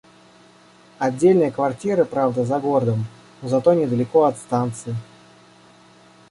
Отдельная квартира, правда за городом, но зато недалеко от станции.